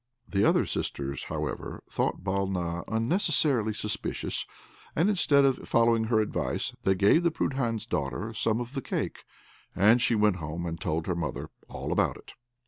The other sisters, however, thought Balna unnecessarily suspicious, and instead of following her advice, they gave the Prudhan's daughter some of the cake, and she went home and told her mother all about it.